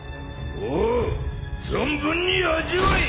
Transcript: おう存分に味わえ！